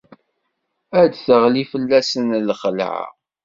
Ad d-teɣli fell-asen lxelɛa.